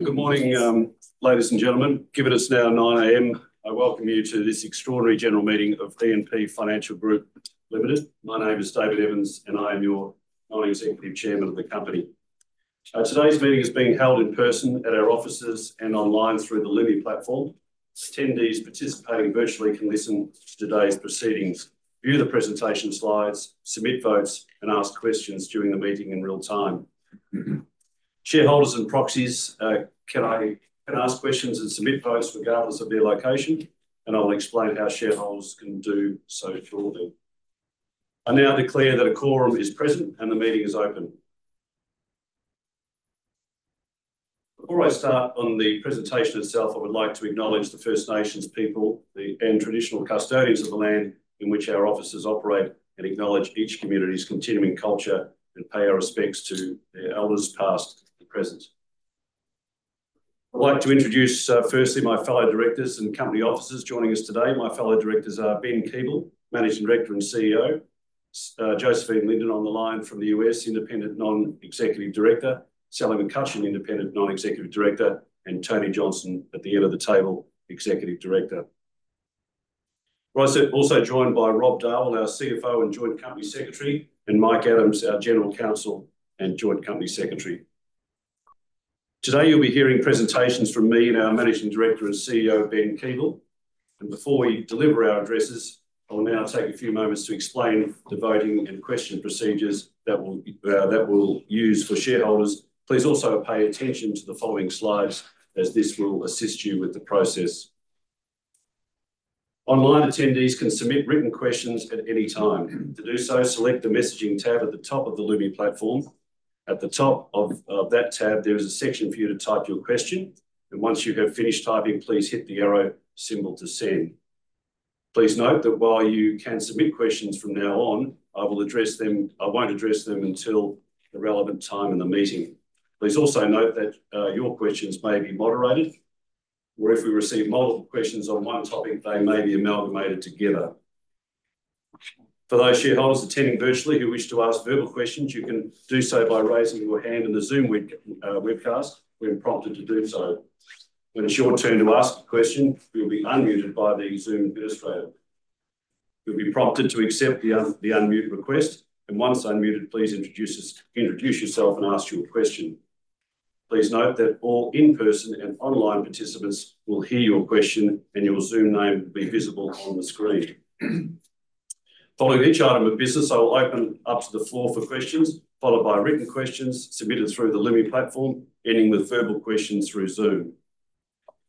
Good morning, ladies and gentlemen. Given it's now 9:00 A.M., I welcome you to this Extraordinary General Meeting of E&P Financial Group Limited. My name is David Evans, and I am your Non-Executive Chairman of the company. Today's meeting is being held in person at our offices and online through the Lumi platform. Attendees participating virtually can listen to today's proceedings, view the presentation slides, submit votes, and ask questions during the meeting in real time. Shareholders and proxies, can I ask questions and submit votes regardless of your location? And I will explain how shareholders can do so shortly. I now declare that a quorum is present and the meeting is open. Before I start on the presentation itself, I would like to acknowledge the First Nations people and traditional custodians of the land in which our offices operate and acknowledge each community's continuing culture and pay our respects to their elders past and present. I'd like to introduce, firstly, my fellow directors and company officers joining us today. My fellow directors are Ben Keeble, Managing Director and CEO, Josephine Linden on the line from the U.S., Independent Non-Executive Director, Sally McCutchan, Independent Non-Executive Director, and Tony Johnson at the end of the table, Executive Director. We're also joined by Rob Darwell, our CFO and Joint Company Secretary, and Mike Adams, our General Counsel and Joint Company Secretary. Today you'll be hearing presentations from me and our Managing Director and CEO, Ben Keeble. Before we deliver our addresses, I will now take a few moments to explain the voting and question procedures that we'll use for shareholders. Please also pay attention to the following slides, as this will assist you with the process. Online attendees can submit written questions at any time. To do so, select the Messaging tab at the top of the Lumi platform. At the top of that tab, there is a section for you to type your question. And once you have finished typing, please hit the arrow symbol to send. Please note that while you can submit questions from now on, I won't address them until the relevant time in the meeting. Please also note that your questions may be moderated, or if we receive multiple questions on one topic, they may be amalgamated together. For those shareholders attending virtually who wish to ask verbal questions, you can do so by raising your hand in the Zoom webcast when prompted to do so. When it's your turn to ask a question, you'll be unmuted by the Zoom administrator. You'll be prompted to accept the unmute request, and once unmuted, please introduce yourself and ask your question. Please note that all in-person and online participants will hear your question, and your Zoom name will be visible on the screen. Following each item of business, I will open up to the floor for questions, followed by written questions submitted through the Lumi platform, ending with verbal questions through Zoom,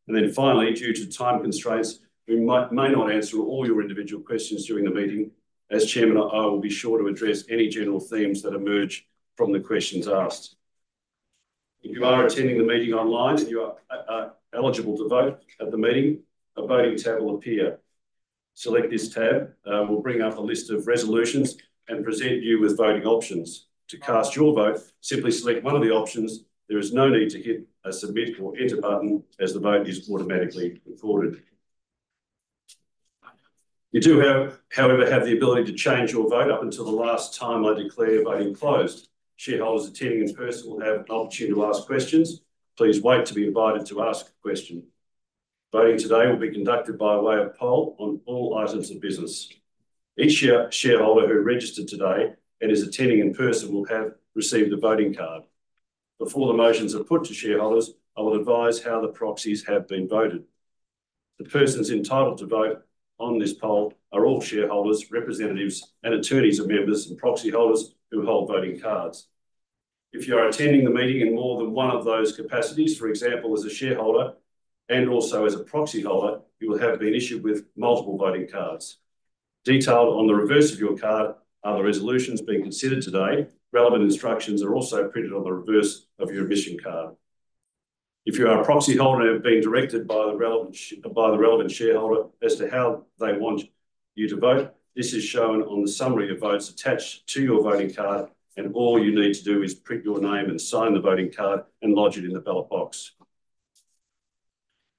and then finally, due to time constraints, we may not answer all your individual questions during the meeting. As Chairman, I will be sure to address any general themes that emerge from the questions asked. If you are attending the meeting online and you are eligible to vote at the meeting, a voting tab will appear. Select this tab. We'll bring up a list of resolutions and present you with voting options. To cast your vote, simply select one of the options. There is no need to hit a Submit or Enter button, as the vote is automatically recorded. You do, however, have the ability to change your vote up until the last time I declare voting closed. Shareholders attending in person will have an opportunity to ask questions. Please wait to be invited to ask a question. Voting today will be conducted by way of poll on all items of business. Each shareholder who registered today and is attending in person will have received a voting card. Before the motions are put to shareholders, I will advise how the proxies have been voted. The persons entitled to vote on this poll are all shareholders, representatives, and attorneys of members and proxy holders who hold voting cards. If you are attending the meeting in more than one of those capacities, for example, as a shareholder and also as a proxy holder, you will have been issued with multiple voting cards. Detailed on the reverse of your card are the resolutions being considered today. Relevant instructions are also printed on the reverse of your admission card. If you are a proxy holder and have been directed by the relevant shareholder as to how they want you to vote, this is shown on the summary of votes attached to your voting card, and all you need to do is print your name and sign the voting card and lodge it in the ballot box.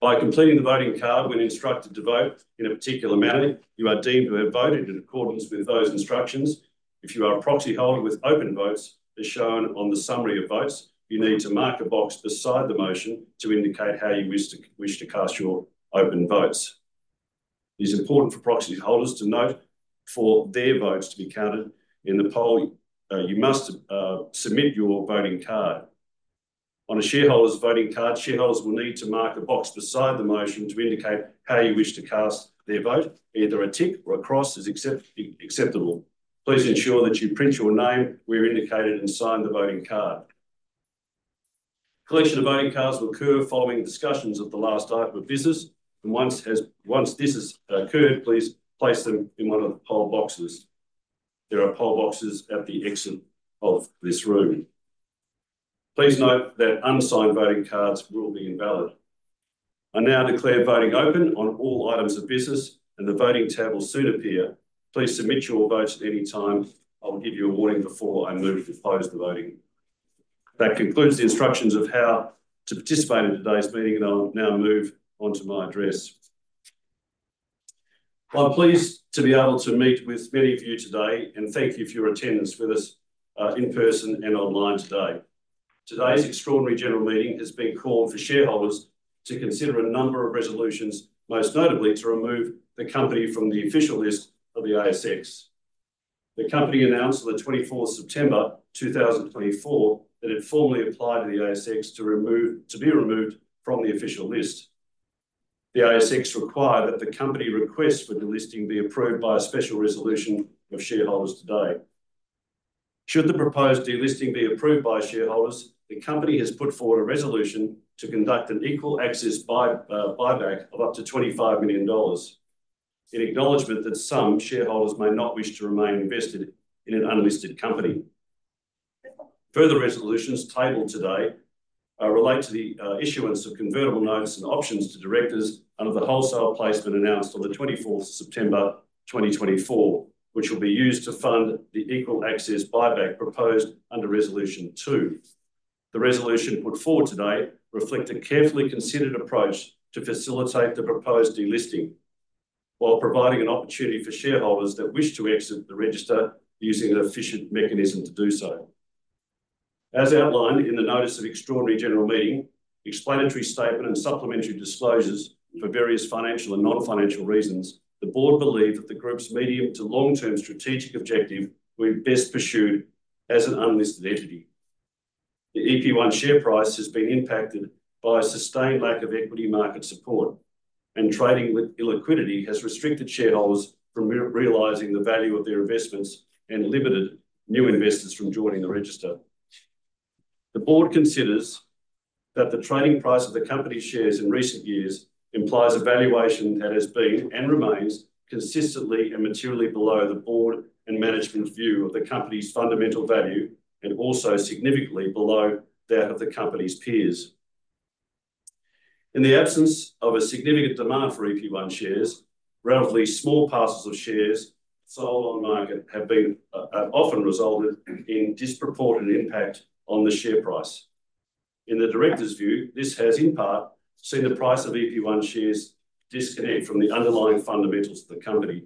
By completing the voting card, when instructed to vote in a particular manner, you are deemed to have voted in accordance with those instructions. If you are a proxy holder with open votes, as shown on the summary of votes, you need to mark a box beside the motion to indicate how you wish to cast your open votes. It is important for proxy holders to note for their votes to be counted in the poll, you must submit your voting card. On a shareholder's voting card, shareholders will need to mark a box beside the motion to indicate how you wish to cast their vote. Either a tick or a cross is acceptable. Please ensure that you print your name where indicated and sign the voting card. Collection of voting cards will occur following discussions of the last item of business. And once this has occurred, please place them in one of the poll boxes. There are poll boxes at the exit of this room. Please note that unsigned voting cards will be invalid. I now declare voting open on all items of business, and the voting tab will soon appear. Please submit your votes at any time. I will give you a warning before I move to close the voting. That concludes the instructions of how to participate in today's meeting, and I'll now move on to my address. I'm pleased to be able to meet with many of you today and thank you for your attendance with us in person and online today. Today's extraordinary general meeting has been called for shareholders to consider a number of resolutions, most notably to remove the company from the official list of the ASX. The company announced on the 24th of September, 2024, that it formally applied to the ASX to be removed from the Official List. The ASX required that the company request for delisting be approved by a special resolution of shareholders today. Should the proposed delisting be approved by shareholders, the company has put forward a resolution to conduct an equal access buyback of up to 25 million dollars, in acknowledgment that some shareholders may not wish to remain invested in an unlisted company. Further resolutions tabled today relate to the issuance of convertible notes and options to directors under the wholesale placement announced on the 24th of September, 2024, which will be used to fund the equal access buyback proposed under Resolution 2. The resolution put forward today reflects a carefully considered approach to facilitate the proposed delisting, while providing an opportunity for shareholders that wish to exit the register using an efficient mechanism to do so. As outlined in the notice of extraordinary general meeting, explanatory statement and supplementary disclosures for various financial and non-financial reasons, the board believed that the group's medium to long-term strategic objective will be best pursued as an unlisted entity. The EP1 share price has been impacted by a sustained lack of equity market support, and trading with illiquidity has restricted shareholders from realizing the value of their investments and limited new investors from joining the register. The Board considers that the trading price of the company's shares in recent years implies a valuation that has been and remains consistently and materially below the Board and management view of the company's fundamental value and also significantly below that of the company's peers. In the absence of a significant demand for EP1 shares, relatively small parcels of shares sold on the market have often resulted in disproportionate impact on the share price. In the director's view, this has in part seen the price of EP1 shares disconnect from the underlying fundamentals of the company.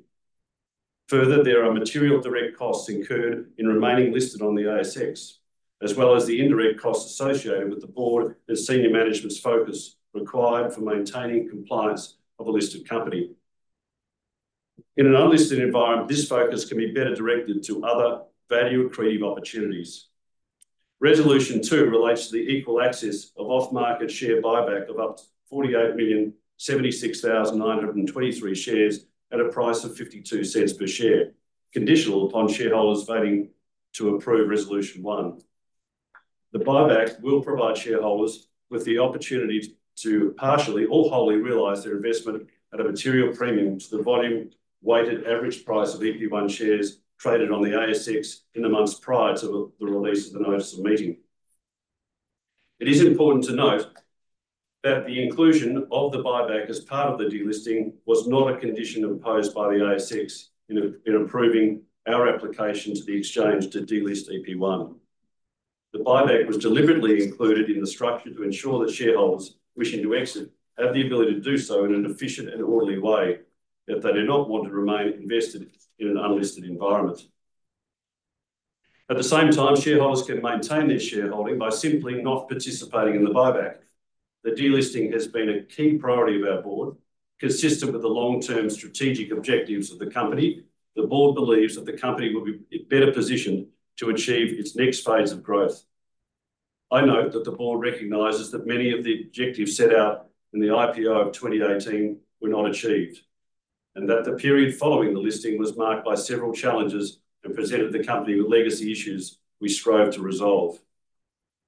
Further, there are material direct costs incurred in remaining listed on the ASX, as well as the indirect costs associated with the Board and senior management's focus required for maintaining compliance of a listed company. In an unlisted environment, this focus can be better directed to other value-accretive opportunities. Resolution 2 relates to the equal access off-market share buyback of up to 48,076,923 shares at a price of 0.52 per share, conditional upon shareholders voting to approve Resolution 1. The buyback will provide shareholders with the opportunity to partially or wholly realize their investment at a material premium to the volume-weighted average price of EP1 shares traded on the ASX in the months prior to the release of the notice of meeting. It is important to note that the inclusion of the buyback as part of the delisting was not a condition imposed by the ASX in approving our application to the exchange to delist EP1. The buyback was deliberately included in the structure to ensure that shareholders wishing to exit have the ability to do so in an efficient and orderly way, if they do not want to remain invested in an unlisted environment. At the same time, shareholders can maintain their shareholding by simply not participating in the buyback. The delisting has been a key priority of our board. Consistent with the long-term strategic objectives of the company, the board believes that the company will be better positioned to achieve its next phase of growth. I note that the board recognizes that many of the objectives set out in the IPO of 2018 were not achieved, and that the period following the listing was marked by several challenges and presented the company with legacy issues we strove to resolve.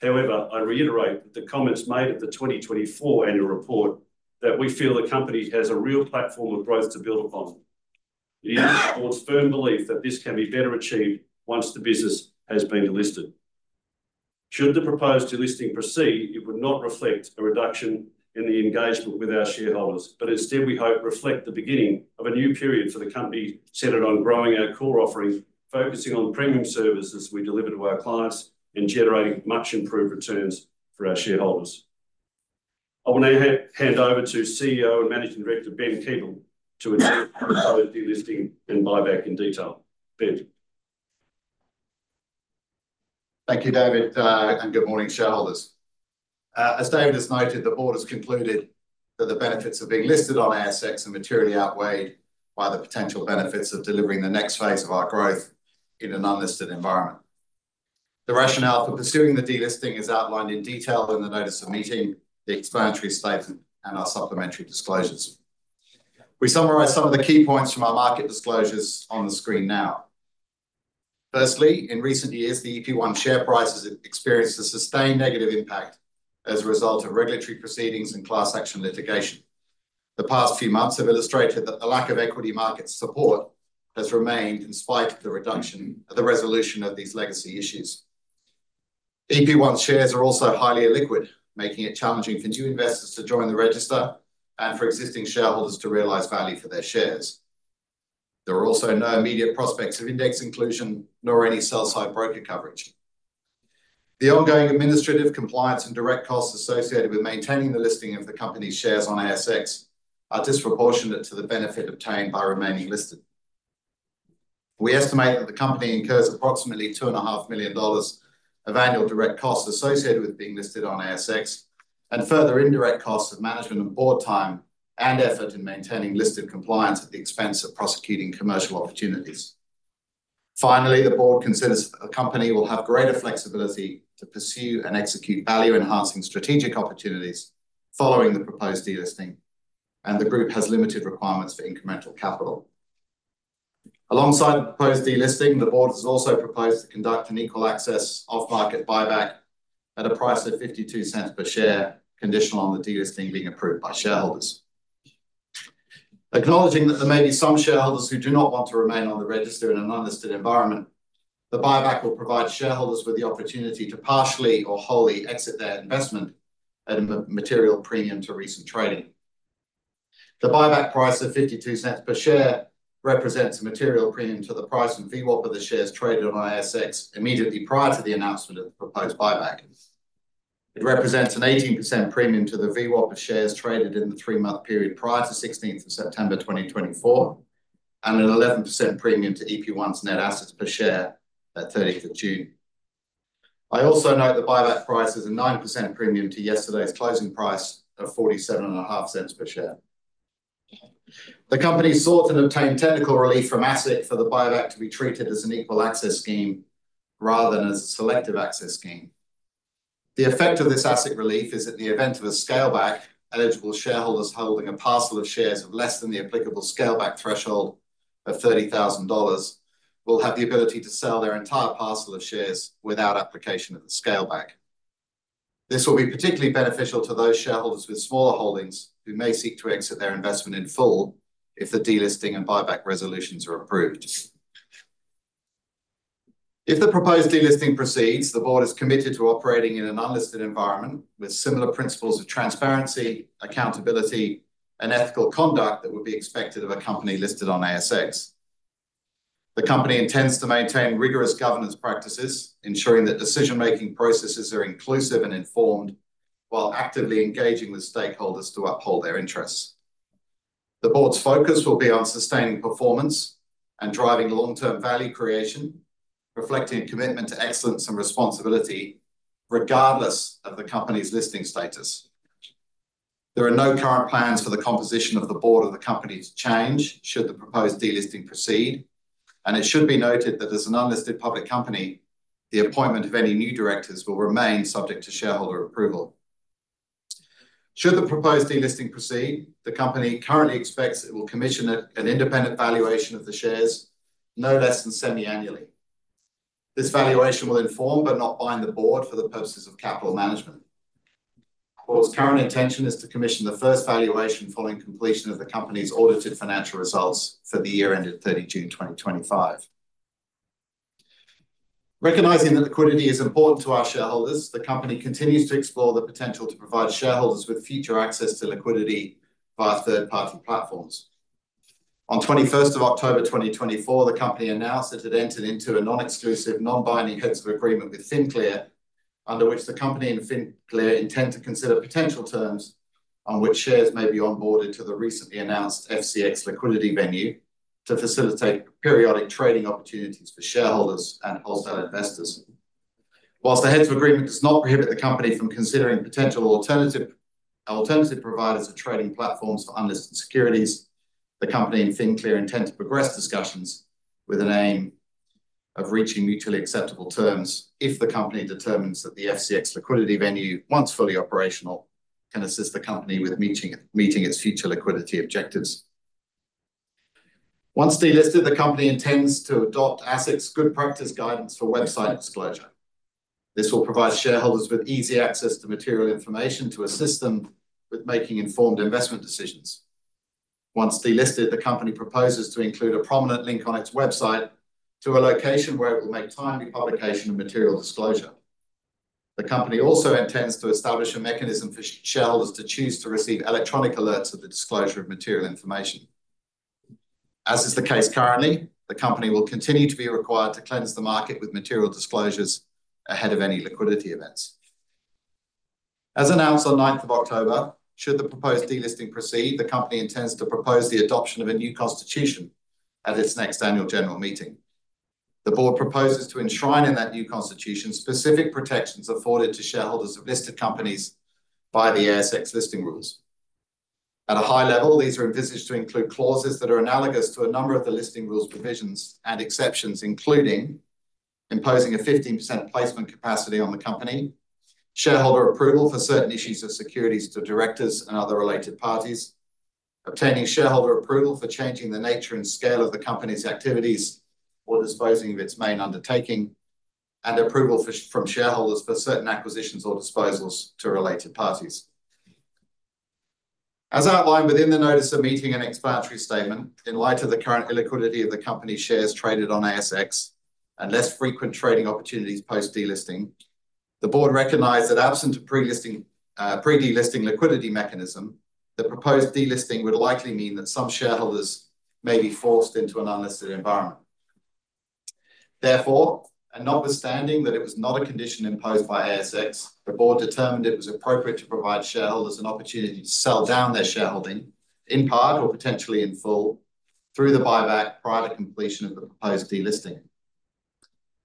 However, I reiterate that the comments made at the 2024 annual report that we feel the company has a real platform of growth to build upon. It is the board's firm belief that this can be better achieved once the business has been delisted. Should the proposed delisting proceed, it would not reflect a reduction in the engagement with our shareholders, but instead, we hope reflects the beginning of a new period for the company centered on growing our core offerings, focusing on premium services we deliver to our clients and generating much improved returns for our shareholders. I will now hand over to CEO and Managing Director Ben Keeble to address the proposed delisting and buyback in detail. Ben. Thank you, David, and good morning, shareholders. As David has noted, the board has concluded that the benefits of being listed on ASX are materially outweighed by the potential benefits of delivering the next phase of our growth in an unlisted environment. The rationale for pursuing the delisting is outlined in detail in the notice of meeting, the explanatory statement, and our supplementary disclosures. We summarize some of the key points from our market disclosures on the screen now. Firstly, in recent years, the E&P share price has experienced a sustained negative impact as a result of regulatory proceedings and class action litigation. The past few months have illustrated that the lack of equity market support has remained in spite of the reduction of the resolution of these legacy issues. E&P shares are also highly illiquid, making it challenging for new investors to join the register and for existing shareholders to realize value for their shares. There are also no immediate prospects of index inclusion nor any sell-side broker coverage. The ongoing administrative compliance and direct costs associated with maintaining the listing of the company's shares on ASX are disproportionate to the benefit obtained by remaining listed. We estimate that the company incurs approximately 2.5 million dollars of annual direct costs associated with being listed on ASX and further indirect costs of management and board time and effort in maintaining listed compliance at the expense of prosecuting commercial opportunities. Finally, the board considers that the company will have greater flexibility to pursue and execute value-enhancing strategic opportunities following the proposed delisting, and the group has limited requirements for incremental capital. Alongside the proposed delisting, the board has also proposed to conduct an equal access off-market buyback at a price of 0.52 per share, conditional on the delisting being approved by shareholders. Acknowledging that there may be some shareholders who do not want to remain on the register in an unlisted environment, the buyback will provide shareholders with the opportunity to partially or wholly exit their investment at a material premium to recent trading. The buyback price of 0.52 per share represents a material premium to the price and VWAP of the shares traded on ASX immediately prior to the announcement of the proposed buyback. It represents an 18% premium to the VWAP of shares traded in the three-month period prior to 16th of September, 2024, and an 11% premium to E&P's net assets per share at 30th of June. I also note the buyback price is a 9% premium to yesterday's closing price of 0.475 per share. The company sought and obtained technical relief from ASIC for the buyback to be treated as an equal access scheme rather than as a selective access scheme. The effect of this ASIC relief is that the event of a scale back, eligible shareholders holding a parcel of shares of less than the applicable scale back threshold of 30,000 dollars will have the ability to sell their entire parcel of shares without application of the scale back. This will be particularly beneficial to those shareholders with smaller holdings who may seek to exit their investment in full if the delisting and buyback resolutions are approved. If the proposed delisting proceeds, the board is committed to operating in an unlisted environment with similar principles of transparency, accountability, and ethical conduct that would be expected of a company listed on ASX. The company intends to maintain rigorous governance practices, ensuring that decision-making processes are inclusive and informed while actively engaging with stakeholders to uphold their interests. The board's focus will be on sustaining performance and driving long-term value creation, reflecting a commitment to excellence and responsibility regardless of the company's listing status. There are no current plans for the composition of the board of the company to change should the proposed delisting proceed, and it should be noted that as an unlisted public company, the appointment of any new directors will remain subject to shareholder approval. Should the proposed delisting proceed, the company currently expects it will commission an independent valuation of the shares, no less than semi-annually. This valuation will inform but not bind the board for the purposes of capital management. The board's current intention is to commission the first valuation following completion of the company's audited financial results for the year ended 30 June 2025. Recognizing that liquidity is important to our shareholders, the company continues to explore the potential to provide shareholders with future access to liquidity via third-party platforms. On 21st of October 2024, the company announced that it had entered into a non-exclusive non-binding heads of agreement with FinClear, under which the company and FinClear intend to consider potential terms on which shares may be onboarded to the recently announced FCX liquidity venue to facilitate periodic trading opportunities for shareholders and wholesale investors. While the heads of agreement does not prohibit the company from considering potential alternative providers of trading platforms for unlisted securities, the company and FinClear intend to progress discussions with an aim of reaching mutually acceptable terms if the company determines that the FCX liquidity venue, once fully operational, can assist the company with meeting its future liquidity objectives. Once delisted, the company intends to adopt ASIC's good practice guidance for website disclosure. This will provide shareholders with easy access to material information to assist them with making informed investment decisions. Once delisted, the company proposes to include a prominent link on its website to a location where it will make timely publication of material disclosure. The company also intends to establish a mechanism for shareholders to choose to receive electronic alerts of the disclosure of material information. As is the case currently, the company will continue to be required to cleanse the market with material disclosures ahead of any liquidity events. As announced on 9th of October, should the proposed delisting proceed, the company intends to propose the adoption of a new constitution at its next annual general meeting. The board proposes to enshrine in that new constitution specific protections afforded to shareholders of listed companies by the ASX Listing Rules. At a high level, these are envisaged to include clauses that are analogous to a number of the Listing Rules provisions and exceptions, including imposing a 15% placement capacity on the company, shareholder approval for certain issues of securities to directors and other related parties, obtaining shareholder approval for changing the nature and scale of the company's activities or disposing of its main undertaking, and approval from shareholders for certain acquisitions or disposals to related parties. As outlined within the notice of meeting and explanatory statement, in light of the current illiquidity of the company's shares traded on ASX and less frequent trading opportunities post-delisting, the board recognized that absent a pre-delisting liquidity mechanism, the proposed delisting would likely mean that some shareholders may be forced into an unlisted environment. Therefore, and notwithstanding that it was not a condition imposed by ASX, the board determined it was appropriate to provide shareholders an opportunity to sell down their shareholding in part or potentially in full through the buyback prior to completion of the proposed delisting.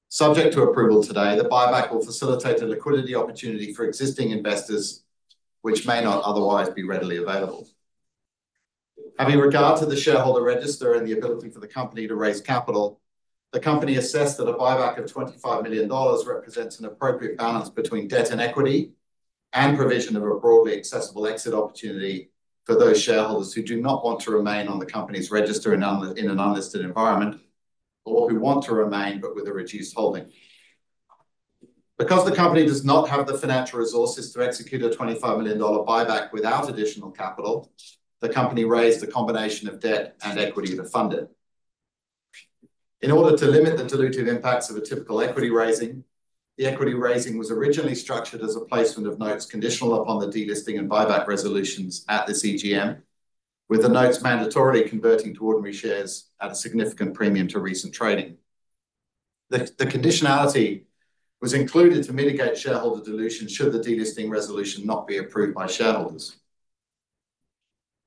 Subject to approval today, the buyback will facilitate a liquidity opportunity for existing investors which may not otherwise be readily available. Having regard to the shareholder register and the ability for the company to raise capital, the company assessed that a buyback of 25 million dollars represents an appropriate balance between debt and equity and provision of a broadly accessible exit opportunity for those shareholders who do not want to remain on the company's register in an unlisted environment or who want to remain but with a reduced holding. Because the company does not have the financial resources to execute a 25 million dollar buyback without additional capital, the company raised a combination of debt and equity to fund it. In order to limit the dilutive impacts of a typical equity raising, the equity raising was originally structured as a placement of notes conditional upon the delisting and buyback resolutions at the EGM, with the notes mandatorily converting to ordinary shares at a significant premium to recent trading. The conditionality was included to mitigate shareholder dilution should the delisting resolution not be approved by shareholders.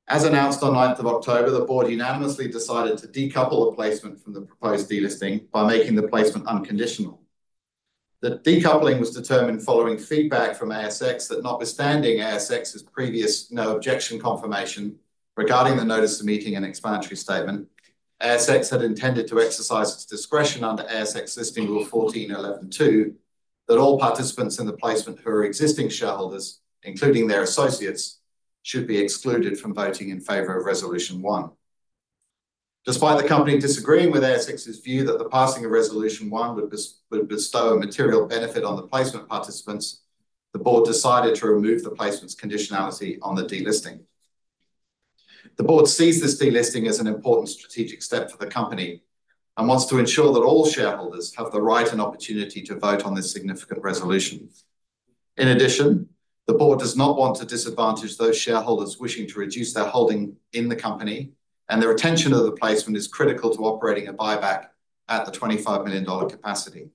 As announced on 9th of October, the board unanimously decided to decouple the placement from the proposed delisting by making the placement unconditional. The decoupling was determined following feedback from ASX that notwithstanding ASX's previous no objection confirmation regarding the notice of meeting and explanatory statement, ASX had intended to exercise its discretion under ASX Listing Rule 14.11.2 that all participants in the placement who are existing shareholders, including their associates, should be excluded from voting in favour of Resolution 1. Despite the company disagreeing with ASX's view that the passing of Resolution 1 would bestow a material benefit on the placement participants, the board decided to remove the placement's conditionality on the delisting. The board sees this delisting as an important strategic step for the company and wants to ensure that all shareholders have the right and opportunity to vote on this significant resolution. In addition, the board does not want to disadvantage those shareholders wishing to reduce their holding in the company, and their attention to the placement is critical to operating a buyback at the 25 million dollar capacity.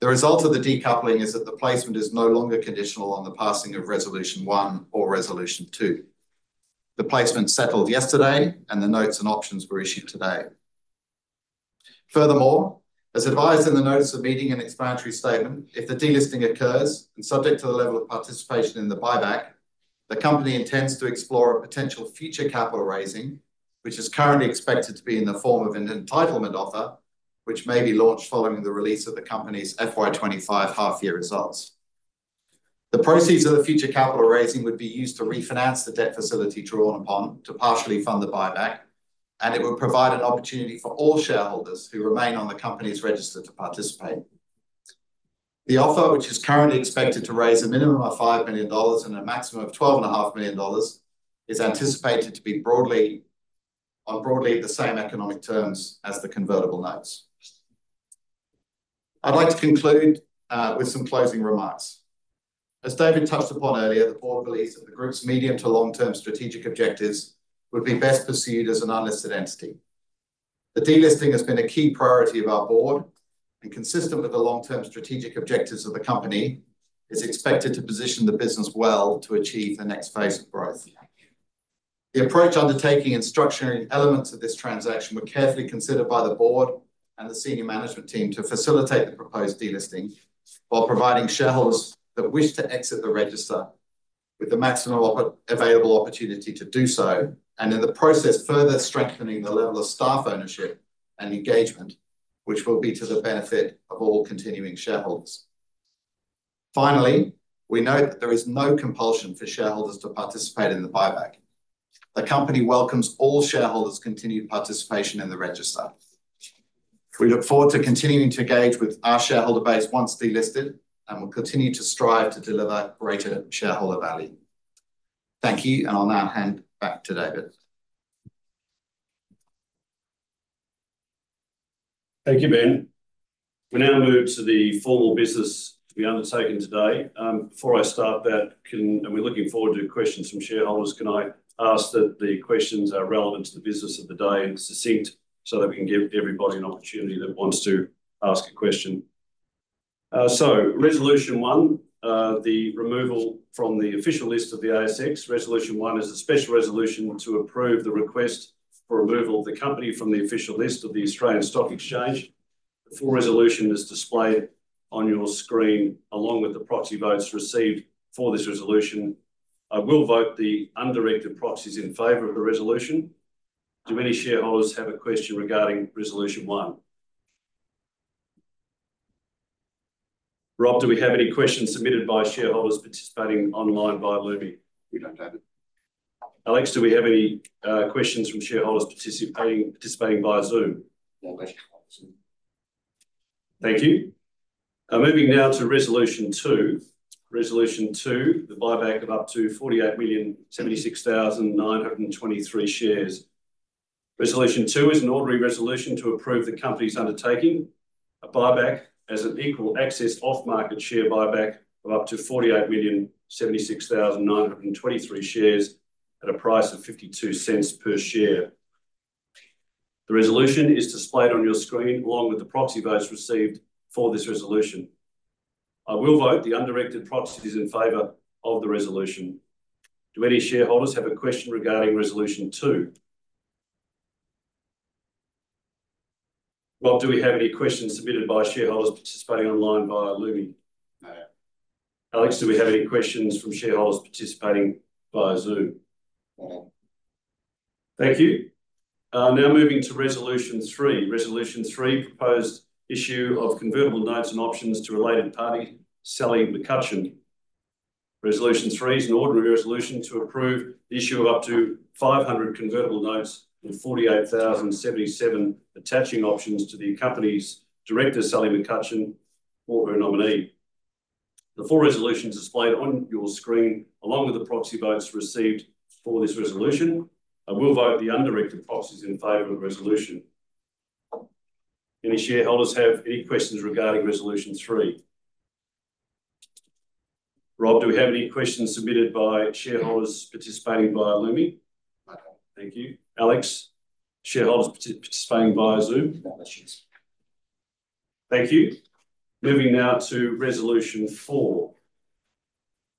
The result of the decoupling is that the placement is no longer conditional on the passing of Resolution 1 or Resolution 2. The placement settled yesterday, and the notes and options were issued today. Furthermore, as advised in the notice of meeting and explanatory statement, if the delisting occurs and subject to the level of participation in the buyback, the company intends to explore a potential future capital raising, which is currently expected to be in the form of an entitlement offer which may be launched following the release of the company's FY 2025 half-year results. The proceeds of the future capital raising would be used to refinance the debt facility drawn upon to partially fund the buyback, and it would provide an opportunity for all shareholders who remain on the company's register to participate. The offer, which is currently expected to raise a minimum of five million dollars and a maximum of 12.5 million dollars, is anticipated to be on broadly the same economic terms as the convertible notes. I'd like to conclude with some closing remarks. As David touched upon earlier, the board believes that the group's medium to long-term strategic objectives would be best pursued as an unlisted entity. The delisting has been a key priority of our board, and consistent with the long-term strategic objectives of the company, it is expected to position the business well to achieve the next phase of growth. The approach, undertaking and structuring elements of this transaction were carefully considered by the board and the senior management team to facilitate the proposed delisting while providing shareholders that wish to exit the register with the maximum available opportunity to do so, and in the process further strengthening the level of staff ownership and engagement, which will be to the benefit of all continuing shareholders. Finally, we note that there is no compulsion for shareholders to participate in the buyback. The company welcomes all shareholders' continued participation in the register. We look forward to continuing to engage with our shareholder base once delisted and will continue to strive to deliver greater shareholder value. Thank you, and on that note, back to David. Thank you, Ben. We now move to the formal business to be undertaken today. Before I start that, and we're looking forward to questions from shareholders, can I ask that the questions are relevant to the business of the day and succinct so that we can give everybody an opportunity that wants to ask a question? So, Resolution 1, the removal from the official list of the ASX. Resolution 1 is a special resolution to approve the request for removal of the company from the official list of the Australian Stock Exchange. The full resolution is displayed on your screen along with the proxy votes received for this resolution. I will vote the undirected proxies in favor of the resolution. Do any shareholders have a question regarding Resolution 1? Rob, do we have any questions submitted by shareholders participating online via Lumi? We don't, David. Alex, do we have any questions from shareholders participating via Zoom? No questions on Zoom. Thank you. Moving now to Resolution 2. Resolution 2, the buyback of up to 48,076,923 shares. Resolution 2 is an ordinary resolution to approve the company's undertaking a buyback as an equal access off-market share buyback of up to 48,076,923 shares at a price of 0.52 per share. The resolution is displayed on your screen along with the proxy votes received for this resolution. I will vote the undirected proxies in favor of the resolution. Do any shareholders have a question regarding Resolution 2? Rob, do we have any questions submitted by shareholders participating online via Lumi? No. Alex, do we have any questions from shareholders participating via Zoom? No. Thank you. Now moving to Resolution 3. Resolution 3 proposed issue of convertible notes and options to related party Sally McCutcheon. Resolution 3 is an ordinary resolution to approve the issue of up to 500 convertible notes and 48,077 attaching options to the company's director, Sally McCutcheon, or her nominee. The full resolution is displayed on your screen along with the proxy votes received for this resolution. I will vote the undirected proxies in favour of the resolution. Any shareholders have any questions regarding Resolution 3? Rob, do we have any questions submitted by shareholders participating via Lumi? No. Thank you. Alex, shareholders participating via Zoom? No questions. Thank you. Moving now to Resolution 4.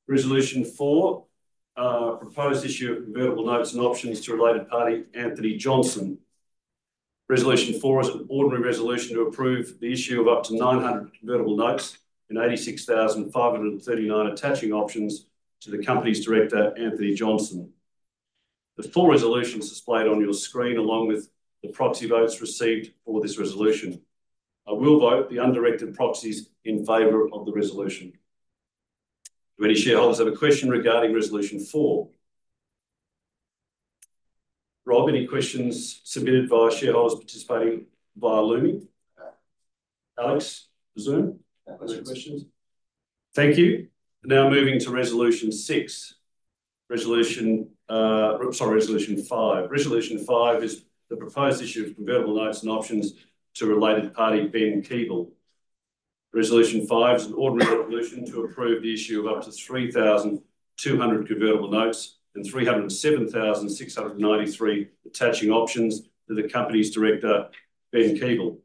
Resolution 4, proposed issue of convertible notes and options to related party Anthony Johnson. Resolution 4 is an ordinary resolution to approve the issue of up to 900 convertible notes and 86,539 attaching options to the company's director, Anthony Johnson. The full resolution is displayed on your screen along with the proxy votes received for this resolution. I will vote the undirected proxies in favor of the resolution. Do any shareholders have a question regarding Resolution 4? Rob, any questions submitted by shareholders participating via Lumi? No. Alex, Zoom? No questions. Thank you. Now moving to Resolution 6. Sorry, Resolution 5. Resolution 5 is the proposed issue of convertible notes and options to related party Ben Keeble. Resolution 5 is an ordinary resolution to approve the issue of up to 3,200 convertible notes and 307,693 attaching options to the company's director, Ben Keeble.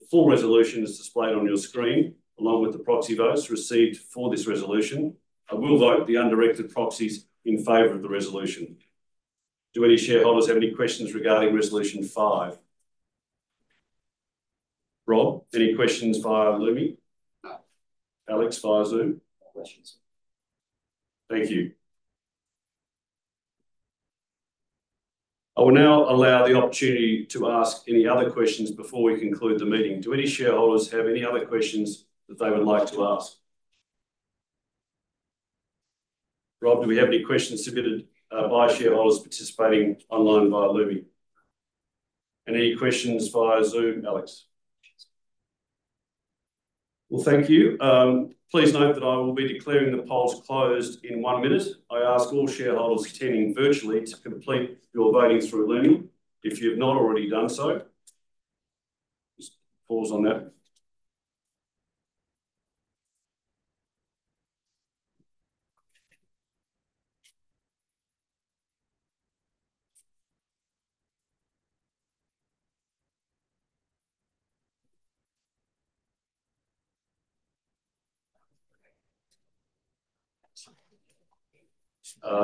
The full resolution is displayed on your screen along with the proxy votes received for this resolution. I will vote the undirected proxies in favor of the resolution. Do any shareholders have any questions regarding Resolution 5? Rob, any questions via Lumi? No. Alex, via Zoom? No questions. Thank you. I will now allow the opportunity to ask any other questions before we conclude the meeting. Do any shareholders have any other questions that they would like to ask? Rob, do we have any questions submitted by shareholders participating online via Lumi? No. And any questions via Zoom? Alex? No questions. Well, thank you. Please note that I will be declaring the polls closed in one minute. I ask all shareholders attending virtually to complete your voting through Lumi if you have not already done so. Just pause on that.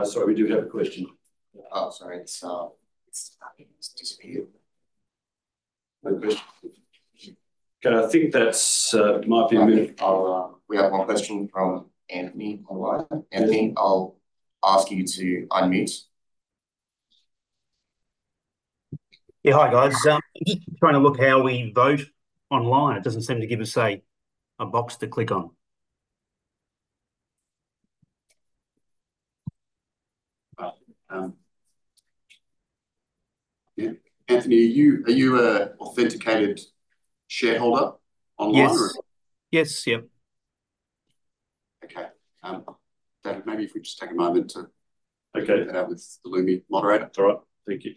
Sorry, we do have a question. Oh, sorry. It's starting to disappear. No questions. Can I think that it might be a minute? We have one question from Anthony online. Anthony, I'll ask you to unmute. Yeah, hi guys. I'm just trying to look how we vote online. It doesn't seem to give us a box to click on. Anthony, are you an authenticated shareholder online? Yes. Yes. Yep. Okay. David, maybe if we just take a moment to look that out with the Lumi moderator. That's all right. Thank you.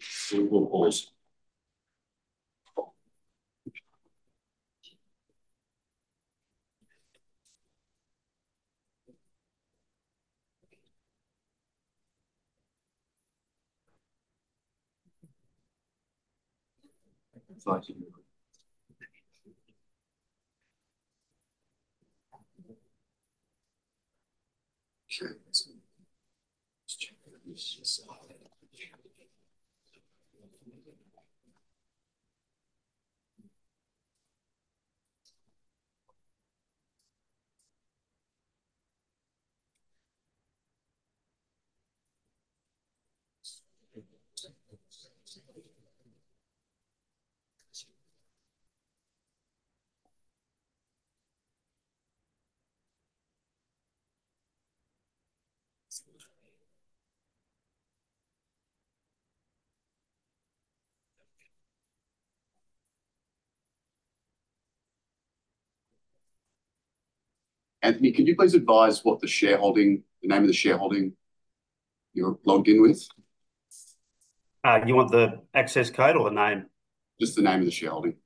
Anthony, could you please advise what the shareholding, the name of the shareholding you're logged in with? You want the access code or the name? Just the name of the shareholding.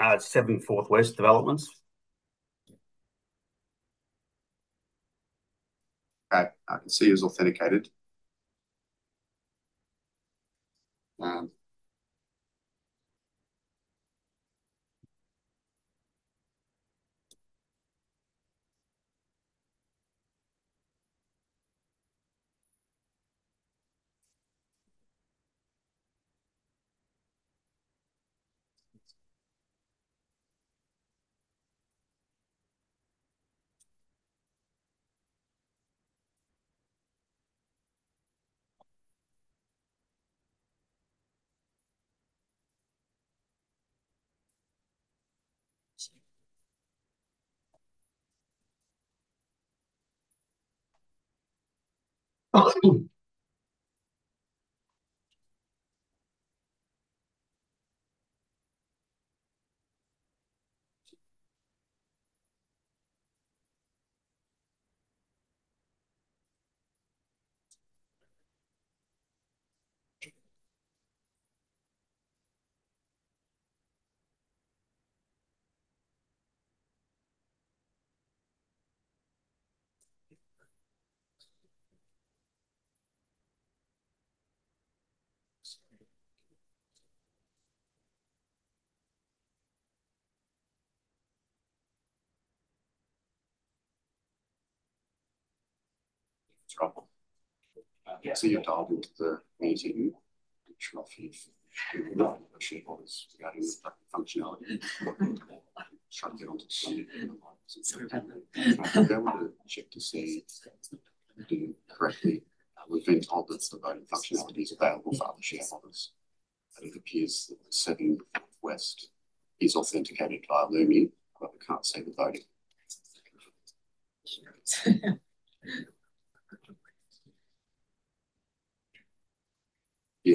It's Seven Fourth West Developments Okay. I can see it's authenticated. It's trouble. Yeah, so you have to argue with the meeting. Additional fees to the shareholders regarding the voting functionality. Try to get onto the funding online. I want to check to see if I can do it correctly. We've been told that the voting functionality is available for othe9r shareholders, and it appears that the Seven Forthwest is authenticated via Lumi, but I can't see the voting. Yeah,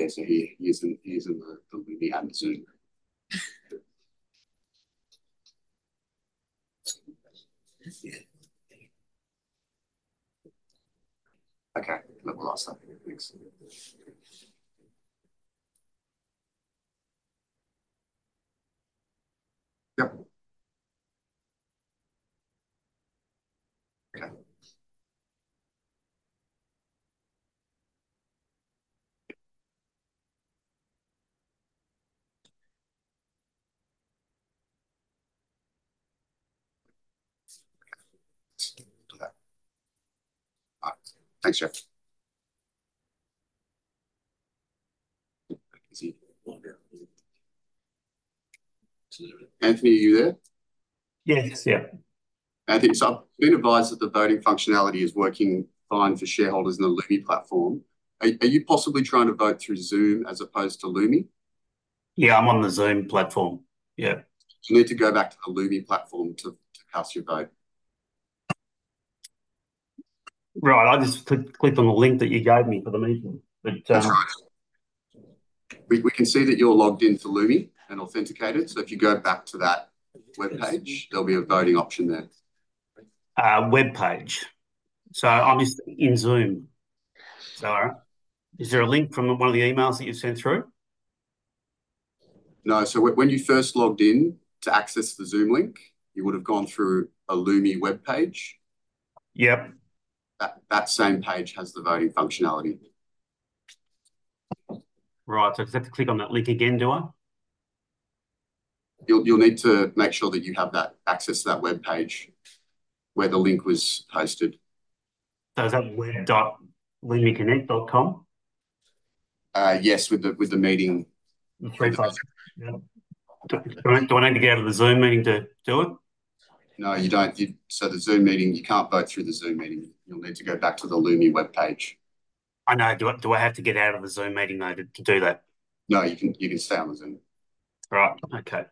so he's in the Lumi, and Zoom. Okay. Let me ask that. Yep. Okay. Thanks, Jeff. Anthony, are you there? Yes. Yeah. Anthony, so I've been advised that the voting functionality is working fine for shareholders in the Lumi platform. Are you possibly trying to vote through Zoom as opposed to Lumi? Yeah, I'm on the Zoom platform. Yeah. You need to go back to the Lumi platform to cast your vote. Right. I just clicked on the link that you gave me for the meeting, but. That's right. We can see that you're logged into Lumi and authenticated, so if you go back to that webpage, there'll be a voting option there. Webpage. So I'm in Zoom. Is there a link from one of the emails that you've sent through? No. So when you first logged in to access the Zoom link, you would have gone through a Lumi webpage. Yep. That same page has the voting functionality. Right. So does it have to click on that link again, do I? You'll need to make sure that you have that access to that webpage where the link was posted. So is that web.lumiconnect.com? Yes, with the meeting. Do I need to get out of the Zoom meeting to do it? No, you don't. So the Zoom meeting, you can't vote through the Zoom meeting. You'll need to go back to the Lumi webpage. I know. Do I have to get out of the Zoom meeting, though, to do that? No, you can stay on the Zoom. Right. Okay.